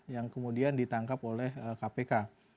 yang kemudian ditangkap oleh kpk